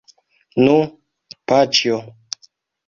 Nu, paĉjo!